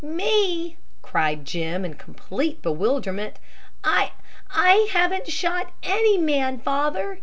"Me!" cried Jim, in complete bewilderment. "I I haven't shot any man, father!